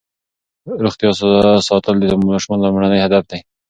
روغتیا ساتل د ماشومانو لومړنی هدف دی.